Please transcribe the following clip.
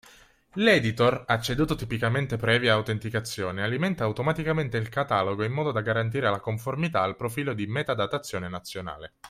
L’editor, acceduto tipicamente previa autenticazione, alimenta automaticamente il catalogo in modo da garantire la conformità al profilo di metadatazione nazionale.